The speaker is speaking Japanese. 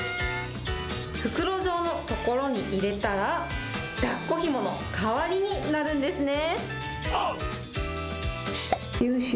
袋状のところに入れたら、だっこひもの代わりになるんですね。